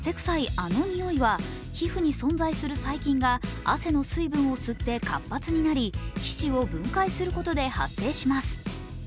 あのにおいは皮膚に存在する細菌が汗の水分を吸って活発になり皮脂を分解することで発生します。